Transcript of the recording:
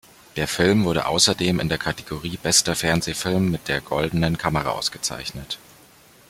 Der Film wurde außerdem in der Kategorie „Bester Fernsehfilm“ mit der Goldenen Kamera ausgezeichnet.